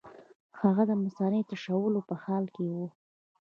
هغه د مثانې د تشولو په حال کې وو.